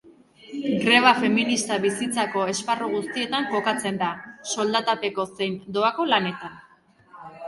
Greba feminista bizitzako esparru guztietan kokatzen da, soldatapeko zein doako lanetan.